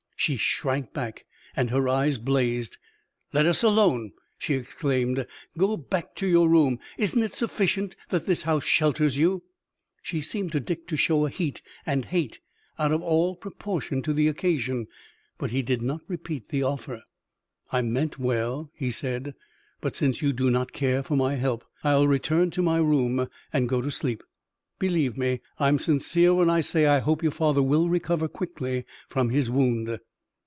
She shrank back and her eyes blazed. "Let us alone!" she exclaimed. "Go back to your room! Isn't it sufficient that this house shelters you?" She seemed to Dick to show a heat and hate out of all proportion to the occasion, but he did not repeat the offer. "I meant well," he said, "but, since you do not care for my help, I'll return to my room and go to sleep. Believe me, I'm sincere when I say I hope your father will recover quickly from his wound."